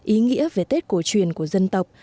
ý nghĩa về tết cổ truyền của dân tộc